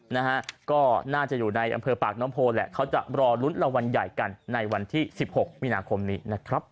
นะฮะก็น่าจะอยู่ในอำเภอปากน้ำโพแหละเขาจะรอลุ้นรางวัลใหญ่กันในวันที่สิบหกมีนาคมนี้นะครับ